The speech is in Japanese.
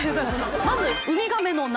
まず「ウミガメの鍋」。